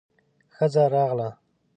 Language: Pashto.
ښځه راغله.